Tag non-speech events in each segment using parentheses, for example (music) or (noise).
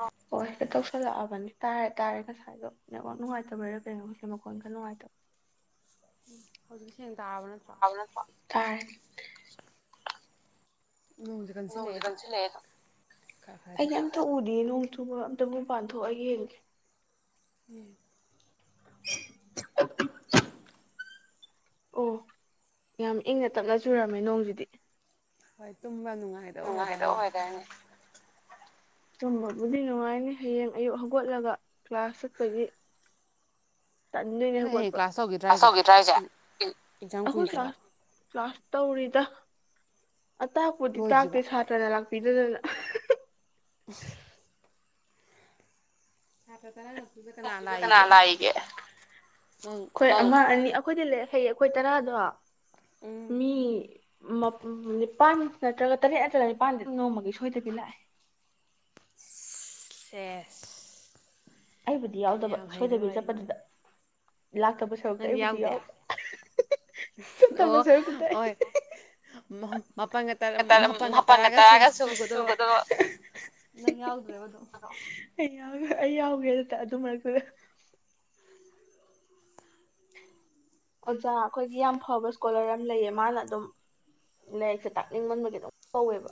ꯍ ꯍ ꯇꯧ ꯁꯜꯂꯛꯑꯕꯅꯤ ꯇꯥꯔꯦ ꯇꯥꯔꯦ ꯉꯁꯥꯏꯗꯣ ꯅꯦꯠꯋꯥꯛ ꯅꯨꯡꯉꯥꯏꯇꯕꯔꯕꯦꯡꯉꯣꯁꯦ ꯃꯈꯣꯟꯒꯔ ꯅꯨꯡꯉꯥꯏꯇꯕ ꯎ ꯍꯧ ꯑꯗꯨ ꯁꯦꯡ ꯍꯅ ꯐ ꯇꯔꯦ ꯦ ꯑꯩꯩꯅ ꯑꯝꯇ ꯎꯗ ꯑꯗꯨꯕ ꯑꯝꯇꯕꯨꯨꯛ ꯄꯥꯟꯊꯣꯛꯑꯒ ꯌꯦꯡꯁꯦ ꯎꯝ ꯑꯣ ꯌꯥꯝ ꯏꯪꯅ ꯇꯞꯅ ꯆꯨꯔꯝꯃꯦ ꯅꯣꯡꯁꯤꯗꯤ ꯍ ꯇꯣ ꯇꯨꯝꯕ ꯅꯨꯡꯉꯥꯏꯗꯕ ꯑꯣꯏꯋꯦꯗꯔꯅꯦ ꯇꯨꯝꯕꯕꯨꯗꯤ ꯅꯨꯡꯉꯥꯏꯅꯤ ꯍꯌꯦꯡ ꯑꯌꯨꯛ ꯍꯧꯒꯠꯂꯒ ꯀ꯭ꯂꯥꯁ ꯆꯠꯄꯒꯤ ꯆꯗꯅꯦ ꯍꯧꯒꯠꯄ꯭ꯔꯁꯦ ꯀ꯭ꯂꯥꯁ ꯇꯧꯔꯤꯗ ꯑꯇꯥꯛꯄꯨꯗꯤ ꯇꯥꯛꯇꯦ ꯁꯥꯇ꯭ꯔꯅ ꯂ ꯏꯗꯗꯂ (inaudible) ꯊꯇ ꯇ ꯗ ꯀꯅꯥ ꯂꯥꯛꯏꯒꯦ ꯑꯩꯈꯣꯏ ꯑꯃ ꯑꯅꯤ ꯑꯩꯈꯣꯏꯗꯤ ꯂꯩ ꯍꯩꯌꯦ ꯑꯩꯈꯣꯏ ꯇꯔꯥꯗꯣ ꯃꯤ ꯃ ꯅꯤ ꯄꯥꯟ ꯅꯠꯇ꯭ꯔꯒ ꯇꯔꯦꯠ ꯑꯗꯨꯠꯇ ꯅꯤꯄꯥꯥꯟꯗꯤ ꯅꯣꯡꯃꯒꯤ ꯁꯣꯏꯗꯗꯤ ꯂꯥꯛꯑꯦ ꯑꯦꯦ ꯑꯩꯕꯨꯗꯤ ꯌꯥꯎꯗꯕ ꯁꯣꯏꯗꯕꯤꯗ ꯆꯠꯄꯗꯨꯗ ꯂꯥꯛꯇꯕ ꯁꯔꯨꯛꯇ ꯑꯩꯕꯨꯗꯤ ꯌꯥꯎꯦ ꯆꯠꯇꯕ ꯁꯔꯨꯛꯄꯨꯛꯇ ꯑꯩ ꯃꯍꯝ ꯃꯥꯄꯜꯒ ꯃꯥꯄꯜꯒ ꯇꯔꯥꯒ ꯁꯨꯒꯗꯕ ꯅꯪ ꯌꯥꯎꯗ꯭ꯔꯦꯕꯗꯣ ꯑꯩꯦ ꯑꯩ ꯌꯥꯎꯈ꯭ꯔꯦ ꯑꯗꯨꯗ ꯑꯗꯨ ꯃꯔꯛꯇꯨꯗ ꯑꯣꯖꯥ ꯑꯩꯈꯣꯏꯒꯤ ꯌꯥꯝ ꯐꯕ ꯏꯁꯀꯣꯂꯔ ꯑꯃ ꯂꯩꯌꯦ ꯃꯥꯅ ꯑꯗꯨꯝ ꯂꯥꯏꯔꯤꯛꯁꯦ ꯇꯥꯛꯅꯤꯡꯃꯟꯕꯒꯤ ꯑꯗꯨꯝ ꯀꯧꯋꯦꯕ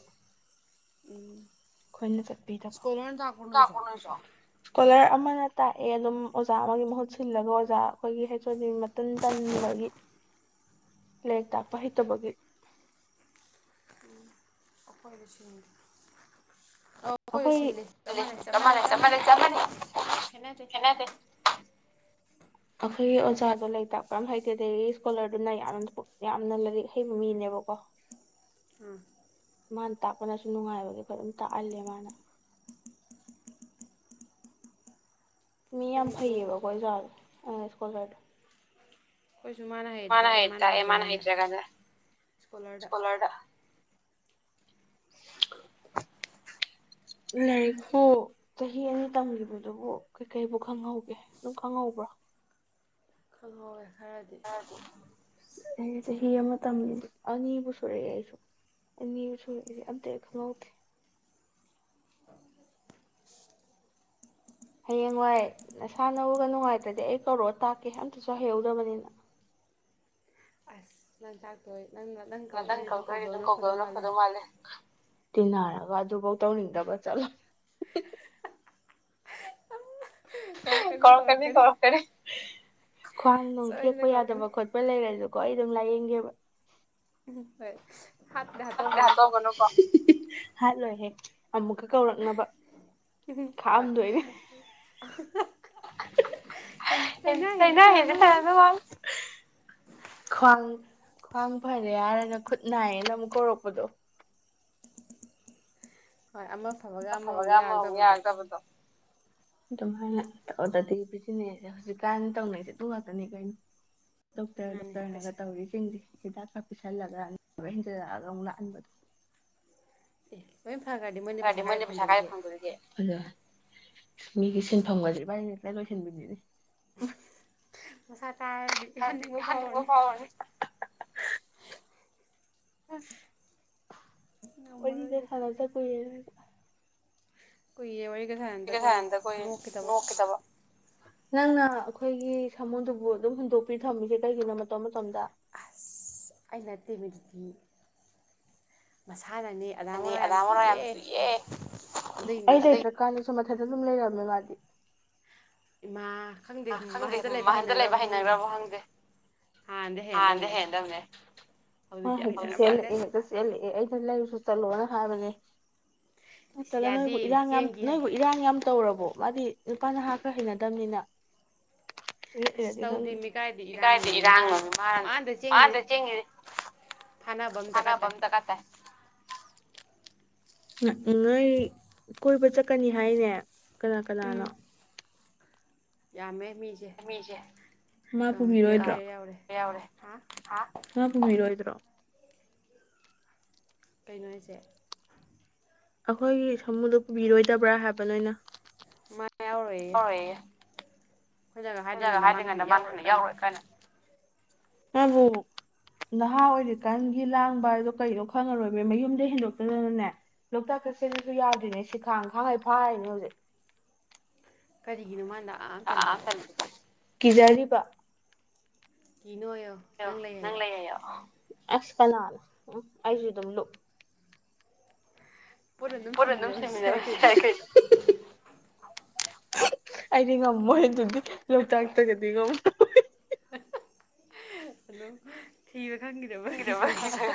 ꯎꯝ ꯈꯣꯏꯅ ꯆꯠꯄꯤꯗꯕꯣ ꯇ ꯑꯦ ꯑꯗꯨꯝ ꯑꯣꯖꯥ ꯑꯃꯒꯤ ꯃꯍ ꯁꯤꯜꯂꯒ ꯑꯣꯖꯥ ꯑꯩꯈꯣꯏꯒꯤ ꯍꯩꯁꯣ ꯃꯇꯟ ꯇꯟꯕꯒꯤ ꯂꯥꯏꯔꯤꯛ ꯇꯥꯀꯄꯥ ꯍꯩꯇꯕꯒꯤ ꯑꯈꯣꯏ ꯂꯁ ꯑꯩꯈꯣꯏꯥꯟꯥꯟ ꯑꯩꯈꯣꯏꯒꯤ ꯑꯣꯖꯥꯗꯣ ꯂꯩꯇꯥꯛ ꯀꯔꯝ ꯍꯥꯏ ꯏꯁꯀꯣꯂꯔꯗꯨꯅ ꯌꯥꯝꯅ ꯌꯥꯝꯅ ꯂꯥꯏꯔꯤꯛ ꯍꯩꯕ ꯃꯤꯅꯦꯕꯀꯣ ꯑꯝ ꯃꯥꯅ ꯇꯥꯛꯄꯅꯁꯨ ꯅꯨꯡꯉꯥꯏꯕꯒꯤ ꯑꯩꯈꯣꯏ ꯑꯗꯨꯝ ꯇꯥꯛꯍꯜꯂꯦ ꯃꯥꯅ ꯃꯤ ꯌꯥꯝ ꯐꯩꯌꯦꯕꯀꯈꯣꯏ ꯖꯥꯗ ꯑ ꯁꯀꯣꯜꯒꯥꯔꯗ ꯃꯅ ꯍꯥꯏꯩꯇ ꯑꯦꯃꯅ ꯍꯥꯏꯩꯇ꯭ꯔꯒꯗ꯭ꯔ ꯁꯀꯨꯂꯣꯗ ꯂꯥꯏꯔꯤꯛꯄꯨ ꯆꯍꯤ ꯑꯅꯤ ꯇꯝꯈꯤꯕꯗꯨꯕꯨ ꯀꯩꯀꯩꯕꯨ ꯈꯪꯍꯧꯒꯦ ꯑꯗꯨꯝ ꯈꯪꯍꯧꯕ꯭ꯔꯥ ꯈꯜ ꯍꯋꯦ ꯑ ꯑꯩ ꯆꯍꯤ ꯑꯃ ꯇꯝꯃꯤ ꯑꯅꯤꯕꯨ ꯁꯨꯔꯛꯑꯦ ꯑꯩꯁꯨ ꯑꯅꯤꯕꯨ ꯁꯨꯔꯛꯏꯁꯦ ꯑꯝꯇ ꯈꯪꯍꯧꯗꯦ ꯍꯌꯦꯡꯋꯥꯏ ꯅꯁꯥꯅꯧꯒ ꯅꯨꯡꯉꯥꯏꯇ꯭ꯔꯗꯤ ꯑꯩ ꯀꯧꯔꯛ ꯇꯥꯛꯀꯦ ꯑꯝꯇꯁꯨ ꯍꯩꯍꯧꯗꯕꯅꯤꯅ ꯑꯁ ꯅꯟ ꯆꯥꯛꯇꯣꯏ ꯉꯥꯛꯇꯪ ꯀꯧꯗ꯭ꯔꯒꯤ ꯑꯗꯨꯝ ꯀꯧꯗꯧꯅ ꯐꯗꯧ ꯃꯥꯜꯂꯦ ꯇꯤꯅꯍꯔꯒ ꯑꯖꯨꯕꯨꯧꯇꯧꯅꯤꯗꯕ ꯆꯂ ꯀꯧꯔꯛꯀꯅꯤ ꯀꯧꯔꯛꯀꯅꯤ ꯈ꯭ꯋꯥꯡ ꯅꯨꯡ ꯊꯦꯛꯄ ꯌꯥꯗꯕ ꯈꯣꯠꯄ ꯂꯩꯔꯁꯨꯀꯣ ꯑꯩ ꯌꯦꯉꯦꯕ ꯍꯣꯏ ꯗꯥꯛꯇꯒꯅꯣ ꯀꯣꯐ ꯍꯜ ꯂꯣꯏꯍꯦꯛ ꯑꯃꯨꯛꯀ ꯀꯧꯔꯛꯅꯕ ꯈꯥꯛꯑꯝꯗꯣꯏꯅꯦ ꯇꯅ ꯍꯗꯤ ꯇꯅꯣ ꯋꯥꯜ ꯈꯋꯥꯡ ꯈ꯭ꯋꯥꯡ ꯐꯔꯦ ꯌꯥꯔꯦꯒ ꯈꯨꯠ ꯅꯥꯏꯌꯦꯅ ꯑꯃꯨꯛ ꯀꯧꯔꯛꯄꯗꯣ ꯍ ꯑꯃ ꯐꯕꯒ ꯑꯃꯃꯨꯛ ꯌꯥꯛꯇꯕꯗꯣ ꯑꯗꯨꯝ ꯍꯥꯏꯅ ꯑꯗꯨꯗꯗꯤ ꯕꯤꯖꯤꯅꯦꯁꯁꯦ ꯍꯧꯖꯤꯛꯀꯥꯟ ꯇꯧꯅꯔꯤꯁꯦ ꯑꯗꯨ ꯉꯥꯛꯇꯅꯤ ꯀꯩꯅꯣ ꯗꯣꯛꯇꯔ ꯗꯣꯛꯇꯔꯅꯒ ꯇꯧꯔꯤꯁꯤꯡꯗꯤ ꯍꯤꯗꯥꯛꯀꯥ ꯄꯤꯁꯜꯂꯒ ꯑꯕ ꯍꯦꯟꯖꯜꯂꯛꯑꯒ ꯑꯃꯨꯛ ꯂꯥꯛꯍꯟꯕꯗꯣ ꯑꯦ ꯗꯤ ꯃꯣꯏꯟꯅ ꯄꯩꯁꯥ ꯀꯥꯏꯗ ꯐꯪꯗꯣꯏꯔꯤꯒꯦ ꯃꯤꯒꯤ ꯁꯤꯟꯐꯝꯒꯁꯦ ꯏꯕꯥꯏ ꯂꯥꯏ ꯂꯣꯏꯁꯤꯟꯕꯤꯅꯤꯅꯦ ꯃꯁꯥ ꯇꯥꯗꯤ ꯍꯅꯤꯡꯕ ꯐꯥꯎꯔꯅꯤ ꯑꯣꯏꯅꯤ ꯀ ꯁꯔꯖꯥ ꯀꯔꯦ ꯀ ꯀ ꯍꯥꯏꯗ ꯀ ꯅꯣꯀꯤꯗ ꯋꯥ ꯅꯪꯅ ꯑꯩꯈꯣꯏꯒꯤ ꯁꯥꯃꯨꯗꯨꯕꯨ ꯑꯗꯨꯝ ꯍꯨꯟꯗꯣꯛꯄꯤ ꯊꯝꯃꯤꯁꯦ ꯀꯩꯒꯤꯅꯣ ꯃꯇꯝ ꯗ ꯤꯕꯇ ꯅꯦ ꯑꯗꯥ ꯑꯃꯅ ꯌꯥꯝ ꯆꯨꯏꯌꯦꯦ ꯃꯊꯇ ꯑꯗꯨꯝ ꯂꯩꯔꯝꯃꯦ ꯃꯥꯗꯤ ꯃꯥ ꯑ ꯈꯪꯗꯦ ꯃꯍꯟꯗ ꯂꯩꯕ ꯍꯩꯅꯈ꯭ꯔꯕꯣ ꯈꯪꯗꯦ ꯍꯥꯟꯅꯗꯤ ꯍꯦꯟꯗꯕꯅꯦꯂꯛꯦ ꯍꯦꯛꯇ ꯆꯦꯜꯂꯛꯦ ꯂ ꯁꯁꯇ ꯂꯣꯅ ꯈꯥꯕꯅꯦ ꯃꯠꯇꯂ ꯅꯣꯏꯕꯨ ꯏꯔꯥꯡ ꯌꯥꯝ ꯅꯣꯏꯕꯨ ꯏꯔꯥꯡ ꯌꯥꯝ ꯇꯧꯔꯕꯣ ꯃꯥꯗꯤ ꯅꯨꯄꯥ ꯅꯍꯥꯛ ꯈꯔ ꯍꯩꯅꯗꯕꯅꯤꯅ ꯀꯥꯏꯗꯤ ꯏꯔꯥꯡꯅꯣ ꯃꯥꯗ ꯆꯦꯡꯉꯁ ꯁꯥꯟꯅꯕ ꯑꯃ ꯗꯔꯀꯥꯔ ꯇꯥꯏ ꯑꯦꯉ ꯀꯣꯏꯕ ꯆꯠꯀꯅꯤ ꯍꯥꯏꯅꯦ ꯀꯅꯥ ꯀꯅꯥꯂ ꯌꯥꯝꯃꯦ ꯃꯥ ꯄꯨꯕꯤꯔꯣꯏꯗ꯭ꯔꯣ ꯃꯥ ꯄꯨꯕꯤꯔꯣꯏꯗ꯭ꯔꯣ ꯀꯩꯅꯣꯁꯦ ꯑꯩꯈꯣꯏꯒꯤ ꯁꯥꯃꯨꯗꯣ ꯄꯨꯕꯤꯔꯣꯏꯗꯕ꯭ꯔꯥ ꯍꯥꯏꯕ ꯅꯣꯏꯅ ꯃꯥ ꯍꯣꯏ ꯐꯖꯒ ꯍꯥꯏꯗ꯭ꯔꯤꯉꯩꯗ ꯃꯥꯅ ꯍꯥꯟꯅꯛ ꯌꯥꯎꯔꯣꯏ ꯀꯥꯏꯅꯣ ꯑꯗꯨꯕꯨ ꯅꯍꯥ ꯑꯣꯏꯔꯤꯀꯥꯟꯒꯤ ꯂꯥꯡꯕ ꯍꯥꯏꯗꯣ ꯀꯩꯅꯣ ꯈꯪꯉꯔꯣꯏꯕ ꯃꯌꯨꯝꯗ ꯍꯦꯟꯗꯣꯛꯇꯗꯅꯅꯦ ꯂꯣꯛꯇꯥꯛ ꯆꯠꯁꯤꯂꯁꯨ ꯌꯥꯗ꯭ꯔꯤꯅꯦ ꯁꯤꯈꯥꯡꯈꯥꯡꯈꯩ ꯐꯥꯔꯅꯦ ꯍꯧꯖꯤꯛ ꯀꯔꯤꯒꯤꯅ ꯃꯥ ꯅ ꯇꯜꯂꯤꯇꯕꯣ ꯀꯤꯖꯔꯤꯕ ꯑꯣ ꯅꯪꯂ ꯂꯩ ꯑꯣ ꯑꯁ ꯀꯅꯥꯜ ꯎ ꯑꯩꯁꯨ ꯑꯗꯨꯝ ꯂꯨꯞ ꯑꯣꯏ ꯑꯗꯨꯝ ꯁꯦꯝꯃꯤꯗꯕ ꯀ ꯑꯩꯗꯤ ꯉꯝꯃꯣꯏ ꯑꯗꯨꯗꯤ ꯂꯧꯕꯇꯥꯥꯛ ꯇꯒꯗꯤ ꯏꯒꯣ ꯑꯗꯣ ꯊꯤꯕ ꯈꯪꯈꯤꯗꯕꯒꯤ ꯖꯒꯥꯗꯣ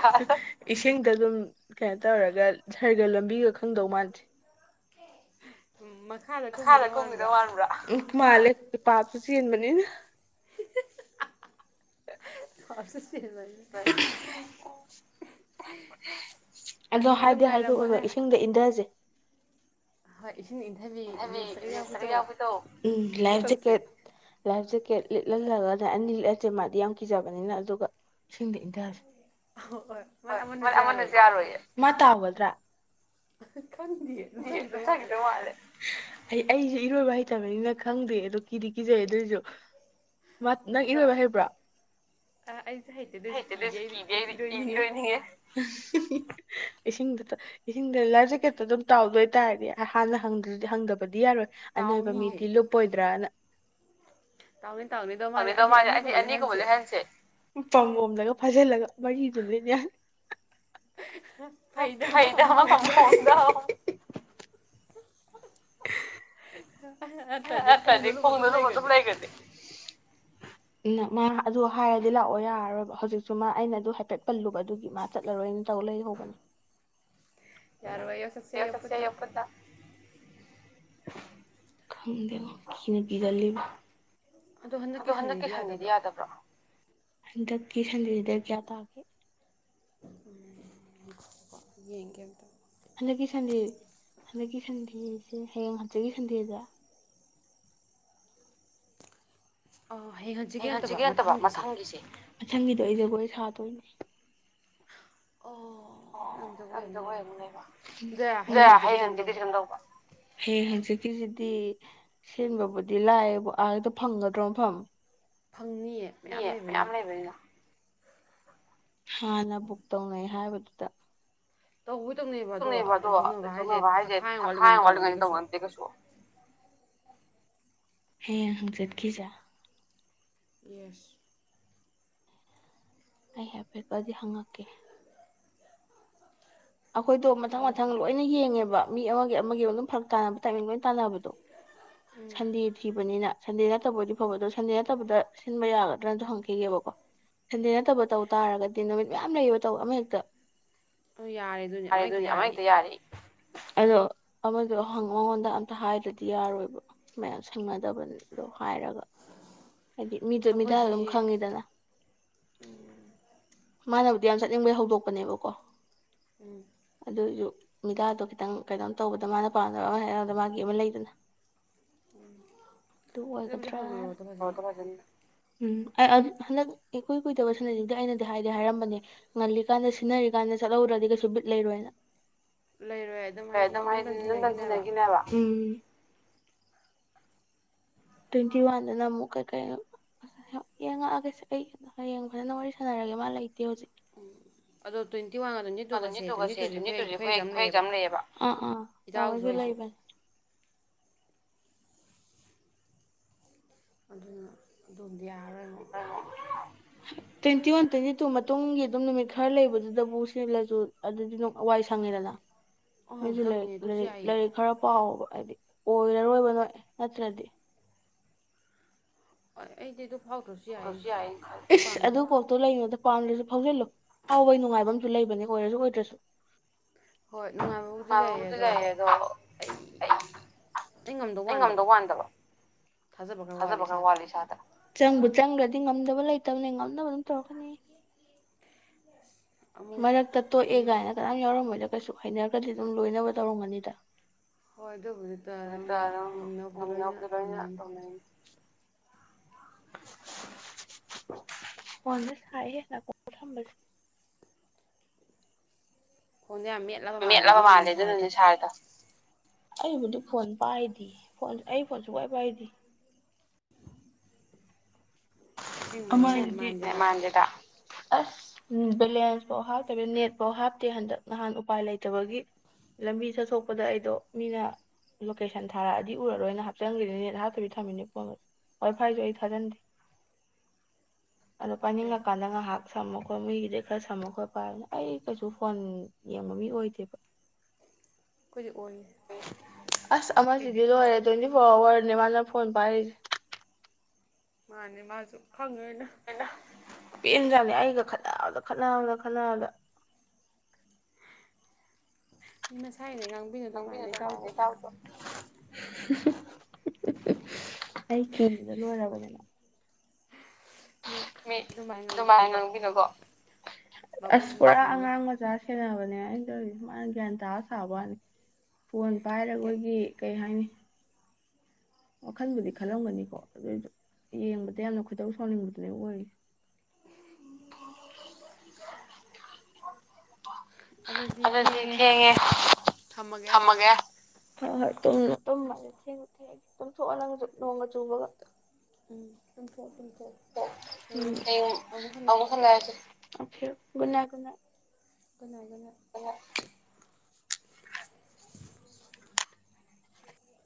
ꯏꯁꯤꯡꯗ ꯑꯗꯨꯝ ꯀꯩꯅꯣ ꯇꯧꯔꯒ ꯁꯔꯒ ꯂꯝꯕꯤꯒ ꯈꯪꯗꯧ ꯃꯥꯟꯗꯦ ꯃꯁꯥꯗ ꯀꯨꯝꯕꯤꯗ ꯋꯥꯕ꯭ꯔꯥ ꯃꯥꯂ ꯄꯥꯄꯁꯨꯨꯁꯤ ꯌꯦꯅ ꯃꯅꯤꯅ (inaudible) ꯑꯗꯣ ꯍꯥꯏꯗꯤ ꯍꯥꯏꯗꯣꯛꯎꯅꯨ ꯏꯁꯤꯡꯗ ꯏꯟꯊꯁꯦ ꯍꯣꯏ ꯏꯁꯤꯡ ꯏꯟꯊꯕꯤꯁ ꯌꯥꯎꯕꯤꯗꯣ ꯎ ꯂꯥꯏꯖꯀꯦꯠ ꯂꯥꯏ ꯖꯀꯦꯠ ꯂꯤꯠꯍꯜꯂꯒ ꯑꯅꯤ ꯁꯦ ꯃꯥꯗꯤ ꯌꯥꯝ ꯀꯤꯖꯕꯅꯤꯅ ꯑꯗꯨꯒ ꯁꯤꯡꯗ ꯏꯟꯊꯔꯁꯦ ꯍꯅꯁꯨ ꯌꯥꯔꯣꯏꯌꯦ ꯃꯥ ꯇꯥꯒꯗ꯭ꯔꯥ ꯑ ꯆꯗ ꯃꯥꯂꯦ ꯑꯩ ꯑꯩꯁꯨ ꯏꯔꯣꯏꯕ ꯍꯩꯇꯕꯅꯤꯅ ꯈꯪꯗꯦ ꯑꯗꯣ ꯀꯤꯗꯤ ꯀꯤꯖꯩ ꯑꯗꯨꯑꯣꯏꯁꯨ ꯅꯪ ꯏꯔꯣꯏꯕ ꯍꯩꯕ꯭ꯔꯣ ꯍꯩꯇꯦꯁꯨ ꯀꯤꯗꯦ ꯏꯔꯣꯏꯅꯤꯡꯉꯦ ꯏꯁꯤꯡꯗ ꯏꯁꯤꯡꯗ ꯂꯥꯏꯔꯁꯨꯀꯦꯛꯇ ꯑꯗꯨꯝ ꯇꯥꯎꯗꯣꯏꯇꯥꯥꯔꯗꯤ ꯍꯥꯟꯅꯗꯤ ꯍꯪꯗꯕꯅꯤ ꯗꯤ ꯌꯥꯔꯣꯏ ꯑꯅꯣꯏꯕ ꯃꯤꯗꯤ ꯂꯨꯞꯄꯣꯏꯗ꯭ꯔꯥꯅ ꯇꯥꯎꯅꯤ ꯇꯥꯎꯅꯤꯗꯣ ꯃꯥꯁ ꯑꯅꯤ ꯑꯅꯤꯒꯨꯝꯕ ꯂꯩꯍꯟꯁꯦ ꯄꯥꯝꯕꯣꯝ ꯗꯒ ꯐꯥꯖꯤꯜꯂꯒ ꯃꯔꯤ ꯗꯨꯝ ꯂꯤꯠ ꯍꯥꯏ ꯑ (unintelligible) (inaudible) ꯑꯗꯤ ꯀꯗ ꯂꯄ ꯐꯥꯏ ꯀꯗ (unintelligible) ꯃꯥ ꯑꯗꯨ ꯍꯥꯏꯔꯗꯤ ꯂꯥꯛꯑꯣ ꯌꯥꯔꯔꯣꯏꯕ ꯍꯧꯖꯤꯛꯁꯨ ꯃꯥ ꯑꯩꯅ ꯑꯗꯨ ꯍꯥꯏꯐꯦꯠ ꯄꯜꯂꯨꯕ ꯑꯗꯨꯒꯤ ꯃꯥ ꯆꯠꯂꯔꯣꯏꯅ ꯇꯧ ꯂꯩꯍꯧꯕꯅꯦ ꯌꯥꯔ ꯑꯣꯏꯌ ꯁꯁꯌ (unintelligible) ꯄꯨꯟꯅ ꯈꯪꯗꯦ ꯉꯣ ꯀꯤꯅ ꯀꯤꯒꯟ ꯂꯤꯕ ꯑꯗꯣ ꯍꯟꯗꯛꯀꯤ ꯁꯟꯗꯦꯗꯤ ꯌꯥꯗꯕ꯭ꯔꯣ ꯍꯟꯗꯛꯀꯤ ꯁꯟꯗꯦꯁꯤꯗ ꯀꯌꯥ ꯇꯥꯒꯦ ꯎꯝ ꯌꯦꯡꯒꯦ ꯑꯝꯇ ꯍꯟꯗꯛꯀꯤ ꯁꯟꯗꯦꯁꯤꯦ ꯍꯌꯦꯡ ꯍꯟꯆꯒꯤ ꯁꯟꯗꯦꯗ ꯑꯩ ꯍꯟꯆꯀꯤ ꯅꯠꯇꯕ ꯃꯊꯪꯒꯤꯁꯦ ꯃꯊꯪꯒꯤꯗꯣ ꯑꯩ ꯖꯒꯣꯏ ꯁꯥꯗꯣꯏꯅꯤ ꯑꯣ ꯅꯪꯗ ꯍꯔꯅꯦꯕ ꯍꯌꯦꯡ ꯍꯪꯖꯤ ꯀꯩꯁꯨꯝ ꯇꯧꯕ ꯍꯌꯦꯡ ꯀꯤꯁꯤꯗꯤ ꯁꯦꯟꯕꯕꯨꯗꯤ ꯂꯥꯛꯑꯌꯦꯕ ꯑꯥꯒꯤꯗꯣ ꯐꯪꯒꯗ꯭ꯔꯣ ꯃꯐꯝ ꯐꯪꯅꯤꯌꯦ ꯃꯌꯥꯝ ꯂꯩꯕꯅꯤꯅ ꯍꯥꯟꯅ ꯕꯨꯛ ꯇꯧꯅꯩ ꯍꯥꯏꯕꯗꯨꯗ ꯇꯧꯣꯏ ꯇꯧꯅꯦꯕ ꯑꯗꯣ ꯇꯧꯅꯕ ꯍꯥꯏꯁꯦ ꯊꯛꯈꯥꯏ ꯑꯃ ꯋꯥꯠꯂꯤꯉꯥꯏꯅꯤ ꯇꯧꯅꯗꯦ ꯀꯩꯁꯨ ꯍꯌꯦꯡ ꯍꯪ ꯆꯠꯈꯤꯖ ꯌꯦꯁ ꯑꯩ ꯍꯥꯏꯐꯦꯠꯠꯇꯗꯤ ꯍꯪꯉꯛꯀꯦ ꯑꯩꯈꯣꯏꯗꯣ ꯃꯊꯪ ꯃꯊꯪ ꯂꯣꯏꯅ ꯌꯦꯡꯉꯦꯕ ꯃꯤ ꯑꯃꯒꯤ ꯑꯣꯏꯅ ꯑꯗꯨꯝ ꯐꯔꯛ ꯇꯥꯟꯅꯕ ꯇꯥꯏꯃꯤꯡ ꯂꯣꯏ ꯇꯥꯟꯅꯕꯗꯣ ꯁꯟꯗꯦ ꯊꯤꯕꯅꯤꯅ ꯁꯟꯗꯦ ꯅꯠꯇꯕꯕꯨꯗꯤ ꯐꯕ ꯑꯗꯣ ꯁꯟꯗꯦ ꯅꯠꯇꯕꯗ ꯁꯤꯟꯕ ꯌꯥꯒꯗ꯭ꯔꯅꯁꯨ ꯍꯪꯈꯤꯒꯦꯕꯀꯣ ꯁꯟꯗꯦ ꯅꯠꯇꯕ ꯇꯧ ꯇꯥꯔꯒꯗꯤ ꯅꯨꯃꯤꯠ ꯃꯌꯥꯝ ꯂꯩꯌꯦꯕ ꯇꯧꯕ ꯑꯃ ꯍꯦꯛꯇ ꯌꯥꯔꯦ ꯑꯗꯨꯅꯦ ꯑꯃ ꯍꯦꯛꯇ ꯌꯥꯔꯛꯏ ꯑꯗꯣ ꯑꯃꯗꯣ ꯃꯉꯣꯟꯗ ꯑꯝꯇ ꯍꯥꯏꯗ꯭ꯔꯗꯤ ꯌꯥꯔꯣꯏꯕ ꯃꯌꯥꯝ ꯁꯪꯅꯗꯕꯅꯤ ꯑꯗꯣ ꯍꯥꯏꯔꯒ ꯍꯥꯏꯗꯤ ꯃꯤꯗꯣ ꯃꯤꯗꯥ ꯑꯗꯨꯝ ꯈꯪꯉꯤꯗꯅ ꯃꯥꯅꯕ ꯗꯤ ꯌꯥꯝ ꯆꯠꯅꯤꯡꯕꯩ ꯍꯧꯗꯣꯛꯄꯅꯦꯕꯀꯣ ꯑꯗꯣ ꯃꯤꯗꯥꯥꯗꯣ ꯈꯤꯇꯪ ꯀꯩꯅꯣꯝ ꯇꯧꯕꯗ ꯃꯥꯅ ꯄꯥꯝꯅꯕ ꯑꯃ ꯍꯥꯏꯗ ꯃꯥꯒꯤ ꯑꯃ ꯂꯩꯗꯅ ꯑꯗꯨ ꯑꯣꯏꯒꯗ꯭ꯔꯥ ꯍ ꯐꯁꯅꯤ (unintelligible) (inaudible) ꯎꯝ ꯑꯗꯨ ꯍꯜ ꯀꯨꯏꯨꯏꯗ ꯁꯤꯅꯖꯤꯗꯤ ꯑꯩꯅꯗꯤ ꯍꯥꯏꯗꯤ ꯍꯥꯏꯔꯝꯕꯅꯦ ꯉꯜꯂꯤ ꯀꯥꯟꯗ ꯁꯤꯖꯤꯟꯅꯔꯤ ꯀꯥꯟꯗ ꯆꯠꯍꯧꯔꯨꯔꯗꯤ ꯀꯩꯁꯨ ꯕꯤꯠ ꯂꯩꯔꯨ ꯍꯥꯏꯅ ꯑꯗꯨꯝ ꯍꯥꯏ ꯅꯨꯡꯊꯟꯁꯤꯅꯒꯤꯅꯦꯕ ꯇ꯭ꯋꯦꯟꯇꯤ ꯋꯥꯟꯗꯅ ꯑꯃꯨꯛ ꯀꯩ ꯀꯩꯅ ꯌꯦꯡꯉꯛꯑꯒꯦ ꯑꯩ ꯍꯌꯦꯡ ꯐꯖꯅ ꯋꯥꯔꯤ ꯁꯥꯟꯅꯔꯒꯦ ꯃꯥ ꯂꯩꯇꯦ ꯇꯨꯒꯁꯦꯨ ꯑꯩꯣꯏꯖꯥꯝ ꯂꯩꯑꯕ ꯎꯝ ꯎ ꯇꯅꯦ ꯑꯣꯅ ꯗꯝ ꯌꯥꯕꯤꯔ ꯑꯣꯏ ꯇ꯭ꯋꯦꯟꯇꯤ ꯋꯥꯟ ꯇ꯭ꯋꯦꯟꯇꯤ ꯇꯨ ꯃꯇꯨꯡꯒꯤ ꯑꯗꯨꯝ ꯅꯨꯃꯤꯠ ꯈꯔ ꯂꯩꯕꯗꯨꯗꯕꯨ ꯁꯤꯂꯁꯨ ꯑꯗꯨꯗꯤ ꯋꯥꯏ ꯁꯪꯉꯤꯗꯅ ꯑꯩꯁꯨ ꯂꯥꯏꯔꯤꯛ ꯂꯥꯏꯔꯤꯛ ꯂꯥꯏꯔꯤꯛ ꯈꯔ ꯄꯥꯎꯕ ꯍꯥꯏꯕꯗꯤ ꯑꯣꯏꯔꯔꯣꯏꯕ ꯅꯣꯏ ꯅꯠꯇ꯭ꯔꯗꯤ ꯑꯣ ꯑꯩ ꯏꯁ ꯑꯗꯨ ꯀꯣꯛꯇꯣ ꯂꯩꯉꯣꯗ ꯄꯥꯝꯗ꯭ꯔꯁꯨ ꯐꯥꯎꯖꯤꯜꯂꯨ ꯍꯥꯎꯕꯩ ꯅꯨꯡꯉꯥꯏꯕ ꯑꯃꯁꯝꯨ ꯂꯩꯕꯅꯦ ꯑꯣꯏꯔꯁꯨ ꯑꯣꯏꯗ꯭ꯔꯁꯨ ꯍꯣꯏ ꯅꯨꯡꯉꯥꯏꯕꯕꯨꯗꯤ ꯂꯩꯔ ꯑꯗꯣ ꯑꯩ ꯑꯩ ꯉꯝꯗꯧ ꯋꯥꯟꯗꯕ ꯊꯥꯖꯕ ꯈꯔ ꯋꯥꯠꯂꯤ ꯏꯁꯥꯗ ꯆꯪꯕ ꯆꯪꯒ꯭ꯔꯗꯤ ꯉꯝꯗꯕ ꯂꯩꯇꯕꯅꯤ ꯉꯝꯅꯕ ꯑꯗꯨꯝ ꯇꯧꯔꯛꯀꯅꯤ ꯃꯔꯛꯇ ꯇꯣꯛꯑꯦ ꯀꯥꯏꯅ ꯀꯅꯥꯝ ꯌꯥꯎꯔꯝꯃꯣꯏꯗ ꯀꯩꯁꯨ ꯍꯩꯅꯒ꯭ꯔꯗꯤ ꯑꯗꯨꯝ ꯂꯣꯏꯅꯕ ꯇꯧꯔꯝꯒꯅꯤꯗ ꯍꯣꯏ ꯑꯗꯨꯕꯨꯗꯤ ꯇ ꯑꯗꯨꯝ ꯉꯝꯅꯕꯗꯤ ꯂꯣꯏꯅ ꯇꯧꯅꯩꯅꯤ ꯐꯣꯟꯁꯦ ꯁꯥꯏꯍꯦ ꯅꯥꯀꯣꯡꯗ ꯊꯝꯕꯁꯦ ꯐꯣꯟꯗꯣ ꯌꯥꯝ ꯃꯦꯠꯂꯕ ꯃꯥꯜꯂꯦ ꯑꯗꯨꯅꯅꯦ ꯁꯥꯔꯤꯗꯣ ꯑꯩꯕꯨꯗꯤ ꯐꯣꯟ ꯄꯥꯏꯗꯤ ꯐꯣꯟ ꯑꯩ ꯐꯣꯟ ꯁꯨꯡꯄꯥꯏ ꯄꯥꯏꯗꯤ (unintelligible) ꯅꯦꯃꯥꯟꯗꯦꯗ ꯑꯁ ꯕꯦꯂꯦꯟꯁ ꯐꯥꯎ ꯍꯥꯞꯇꯕꯤ ꯅꯦꯠꯐꯥꯎ ꯍꯥꯞꯇꯦ ꯍꯟꯗꯛ ꯅꯍꯥꯟ ꯎꯄꯥꯏ ꯂꯩꯇꯕꯒꯤ ꯂꯝꯕꯤ ꯆꯠꯊꯣꯛꯄꯗ ꯑꯩꯗꯣ ꯃꯤꯅ ꯂꯣꯀꯦꯁꯟ ꯊꯥꯔꯛꯑꯗꯤ ꯎꯔꯔꯣꯏꯅ ꯍꯥꯞꯆꯟꯒ꯭ꯔꯤꯅꯦ ꯅꯦꯠ ꯍꯥꯞꯇꯕꯤ ꯊꯝꯃꯤꯅꯦ ꯐꯣꯟꯒꯁꯦ ꯋꯥꯏ ꯐꯥꯏꯁꯨ ꯑꯩ ꯊꯥꯖꯟꯗꯦ ꯑꯗꯣ ꯄꯥꯏꯅꯤꯡꯂꯀꯥꯟꯗ ꯉꯥꯍꯥꯛ ꯁꯝꯃꯈꯣꯏ ꯃꯤꯒꯤꯗꯩ ꯈꯔ ꯁꯝꯃ ꯈꯣꯏ ꯄꯥꯗꯅ ꯑꯩ ꯀꯩꯁꯨ ꯐꯣꯟ ꯌꯦꯡꯕ ꯃꯤ ꯑꯣꯏꯗꯦꯕ ꯑꯁ ꯑꯃ ꯁꯤꯗꯤ ꯂꯣꯏꯔꯦ ꯇ꯭ꯋꯦꯟꯇꯤ ꯐꯣꯔ ꯑꯋꯥꯔꯅꯦ ꯃꯥꯅ ꯐꯣꯟ ꯄꯥꯏꯔꯤꯁꯦ ꯃꯥꯅꯤ ꯃꯥꯖꯨ ꯈꯪꯉꯅ ꯄꯦꯟꯖꯥꯠꯅꯤ ꯑꯩꯒ ꯈꯠꯅ ꯈꯠꯅꯕꯗ ꯈꯠꯅꯕꯗ ꯃꯤ ꯃꯁꯥ ꯉꯥꯡꯕꯤ ꯅꯗ ꯃꯥꯥꯜꯂꯦ ꯏꯇꯥꯎꯗꯣ ꯑꯩ ꯀꯤꯕꯗ ꯂꯣꯏꯔꯕꯅꯤ ꯃꯥ ꯃꯤ ꯑꯗꯨꯃꯥꯏꯅ ꯉꯥꯡꯕꯤꯅꯨꯀꯣ ꯑꯁ ꯄꯨꯔꯥ ꯑꯉꯥꯡ ꯃꯆꯥꯅꯤ ꯈꯦꯠꯅꯕꯅꯦ ꯑ ꯇꯧꯔꯤꯁꯦ ꯃꯥꯅ ꯒ꯭ꯌꯥꯟ ꯇꯥ ꯁꯥꯕ ꯋꯥꯅꯤ ꯐꯣꯟ ꯄꯥꯏꯔꯒ ꯑꯈꯣꯏꯒꯤ ꯀꯩ ꯍꯥꯏꯅꯤ ꯋꯥꯈꯜꯕꯨꯗꯤ ꯈꯜꯂꯝꯒꯅꯤꯀꯣ ꯑꯗꯨꯏꯁꯨ ꯌꯦꯡꯕꯗ ꯌꯥꯝꯅ ꯈꯨꯗꯧ ꯁꯥꯎꯅꯤꯡꯕꯗꯨꯅꯦ ꯑꯣꯏꯔꯤꯁꯦ ꯑꯗꯨꯗꯤ ꯊꯦꯡꯉꯦ ꯊꯝꯃꯒꯦ ꯍꯣ ꯍꯣꯏ ꯇꯨꯝꯃꯣ ꯇꯨꯝꯃꯒꯦ ꯊꯦꯡꯗꯤ ꯊꯦꯡꯉꯦ ꯇꯨꯝꯊꯣꯛꯑꯣ ꯅꯪꯁꯨ ꯅꯣꯡꯒ ꯆꯨꯕꯒ ꯎꯝ ꯇꯨꯝꯊꯣꯛꯑꯣ ꯇꯨꯝꯊꯣꯛꯑꯣ ꯍꯌꯦꯡ ꯑꯃꯨꯛ ꯍꯂꯁꯤ okay good night good night ꯑꯣ